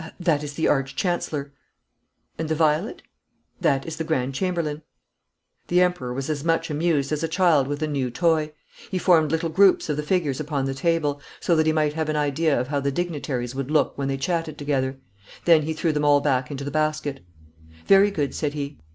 'That is the Arch Chancellor.' 'And the violet?' 'That is the Grand Chamberlain.' The Emperor was as much amused as a child with a new toy. He formed little groups of the figures upon the table, so that he might have an idea of how the dignitaries would look when they chatted together. Then he threw them all back into the basket. 'Very good,' said he.